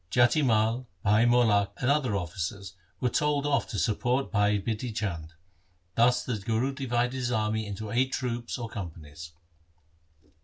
Jati Mai, Bhai Molak and other officers were told off to support Bhai Bidhi Chand. Thus the Guru divided his army into eight troops or companies.